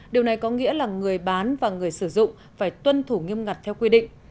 điều này có nghĩa là người bán và người sử dụng phải tuân thủ nghiêm ngặt theo quy định